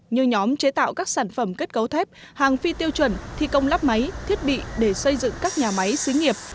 như nhóm chế tạo các sản phẩm kết cấu thép hàng phi tiêu chuẩn thi công lắp máy thiết bị để xây dựng các nhà máy xứ nghiệp